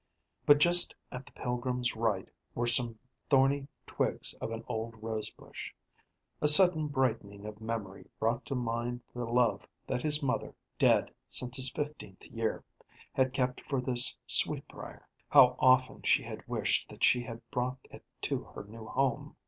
But just at the pilgrim's right were some thorny twigs of an old rosebush. A sudden brightening of memory brought to mind the love that his mother dead since his fifteenth year had kept for this sweetbrier. How often she had wished that she had brought it to her new home!